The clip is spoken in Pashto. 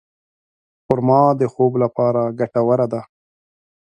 خرما د خوب لپاره ګټوره ده.